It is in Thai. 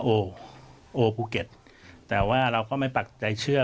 โอโอภูเก็ตแต่ว่าเราก็ไม่ปักใจเชื่อ